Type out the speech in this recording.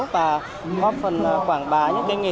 và góp phần quảng bá những nghề